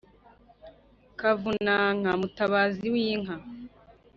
kavunanka: mutabazi w’inka